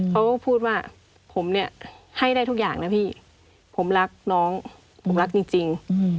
เขาก็พูดว่าผมเนี่ยให้ได้ทุกอย่างนะพี่ผมรักน้องผมรักจริง